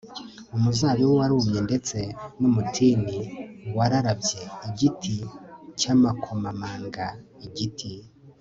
Umuzabibu warumye ndetse n umutini wararabye Igiti cy amakomamanga igiti